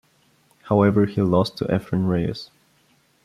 However, he lost to Efren Reyes.